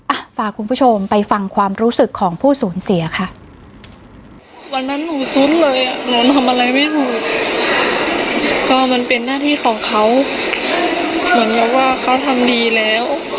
อ่ะฝากคุณผู้ชมไปฟังความรู้สึกของผู้สูญเสียค่ะวันนั้นหนูซุ้นเลยอ่ะหนูทำอะไรไม่รู้ก็มันเป็นหน้าที่ของเขาเหมือนกับว่าเขาทำดีแล้ว